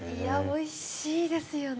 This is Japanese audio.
おいしいですよね。